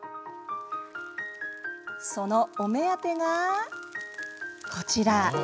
そのお目当てがこちら。